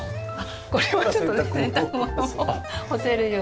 これはちょっと洗濯物を干せるように。